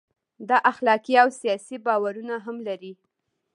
دا اخلاقي او سیاسي باورونه هم لري.